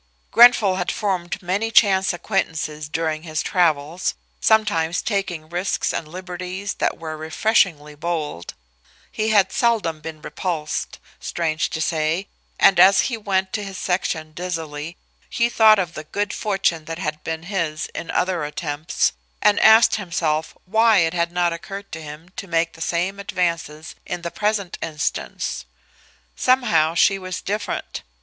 Grenfall had formed many chance acquaintances during his travels, sometimes taking risks and liberties that were refreshingly bold. He had seldom been repulsed, strange to say, and as he went to his section dizzily, he thought of the good fortune that had been his in other attempts, and asked himself why it had not occurred to him to make the same advances in the present instance. Somehow she was different.